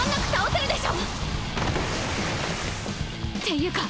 っていうか